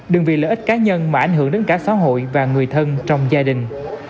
đừng vì lợi ích cá nhân mà ảnh hưởng đến cả xã hội và người thân trong gia đình